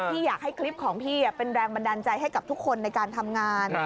อยากให้คลิปของพี่เป็นแรงบันดาลใจให้กับทุกคนในการทำงาน